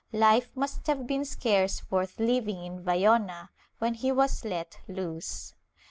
^ Life must have been scarce worth Uving in Vayona when he was let loose.